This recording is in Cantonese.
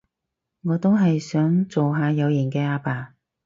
我都係想做下有型嘅阿爸